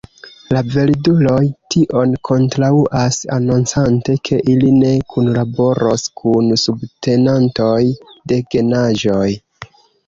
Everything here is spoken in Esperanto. La verduloj tion kontraŭas, anoncante, ke ili ne kunlaboros kun subtenantoj de genaĵoj.